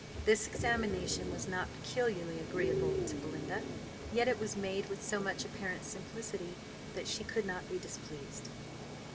This examination was not peculiarly agreeable to Belinda, yet it was made with so much apparent simplicity, that she could not be displeased.